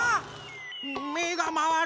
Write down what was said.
めがまわる！